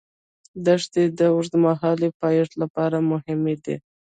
دښتې د اوږدمهاله پایښت لپاره مهمې دي.